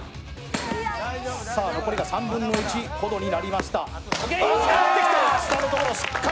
残りが３分の１ほどになりました。